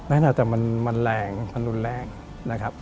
แต่มันแรงมันรุนแรงนะครับ